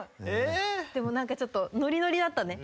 でも何かちょっとノリノリだったね。